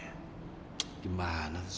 kan dia udah janji mau pulang